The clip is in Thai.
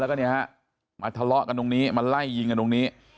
และมาทะเลาะกันตรงนี้ให้ไล่ยิ้งกันตรงนี้